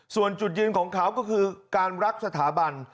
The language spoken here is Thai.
ส่วนจุดยืนของเขาก็คือการรักสถาบัน